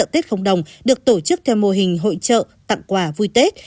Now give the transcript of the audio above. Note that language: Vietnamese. tết không đồng được tổ chức theo mô hình hội trợ tặng quà vui tết